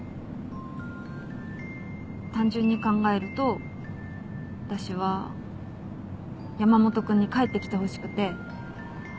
単純に考えると私は山本君に帰ってきてほしくて。